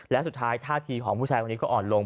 และสุดท้ายท่าทีของผู้ชายคนนี้ก็อ่อนลง